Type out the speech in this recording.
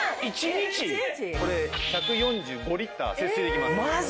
これ１４５リッター節水できます。